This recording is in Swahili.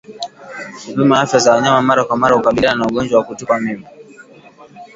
Kupima afya za wanyama mara kwa mara hukabiliana na ugonjwa wa kutupa mimba